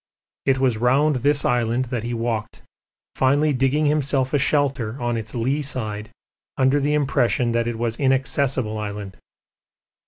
It was round this island that he walked, finally digging himself a shelter on its lee side under the impression that it was Inaccessible Island.